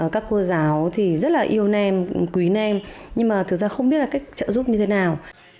các cô giáo thì rất là yêu nem quý em nhưng mà thực ra không biết là cách trợ giúp như thế nào